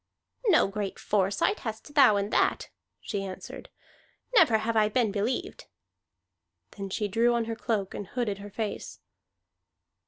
"No great foresight hast thou in that," she answered. "Never have I been believed." Then she drew on her cloak and hooded her face.